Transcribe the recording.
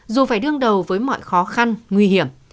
dù phải đương đầu với mọi khó khăn nguy hiểm